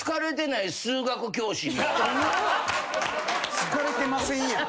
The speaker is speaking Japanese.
好かれてませんやん。